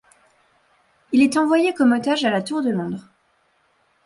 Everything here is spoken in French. Il est envoyé comme otage à la Tour de Londres.